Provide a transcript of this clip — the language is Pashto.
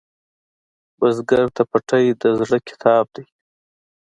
بزګر ته پټی د زړۀ کتاب دی